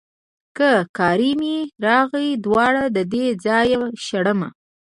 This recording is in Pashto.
که قار مې راغی دواړه ددې ځايه شړمه.